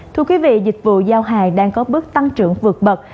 thưa quý vị dịch vụ giao hàng đang có bước tăng trưởng vượt bậc